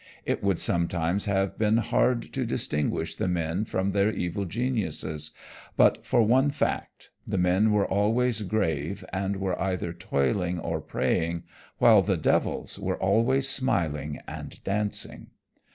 It would sometimes have been hard to distinguish the men from their evil geniuses but for one fact, the men were always grave and were either toiling or praying, while the devils were always smiling and dancing.